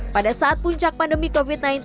pada saat puncak pandemi covid sembilan belas